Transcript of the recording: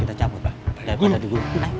kita cabut bang